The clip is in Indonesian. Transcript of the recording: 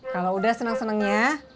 kalau udah seneng seneng ya